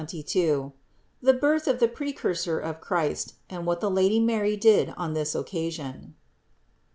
CHAPTER XXII. BIRTH OF THE PRECURSOR OF CHRIST AND WHAT THE LADY MARY DID ON THIS OCCASION.